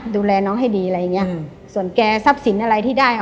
ดูแลน้องให้ดีอะไรอย่างเงี้ยส่วนแกทรัพย์สินอะไรที่ได้ค่ะ